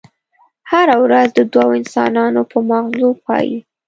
هره ورځ د دوو انسانانو په ماغزو پايي.